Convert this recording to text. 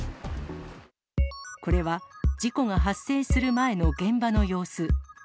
これは事故が発生する前の現場の様子。